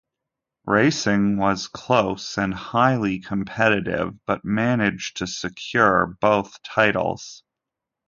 Racing was close and highly competitive but managed to secure both titles.